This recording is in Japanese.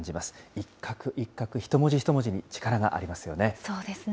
一角一角、一文字一文字に力がありますよね。